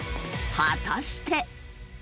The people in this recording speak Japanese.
果たして。